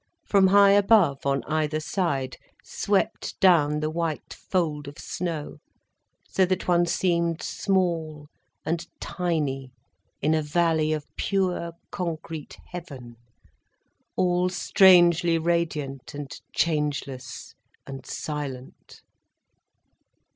From high above, on either side, swept down the white fold of snow, so that one seemed small and tiny in a valley of pure concrete heaven, all strangely radiant and changeless and silent.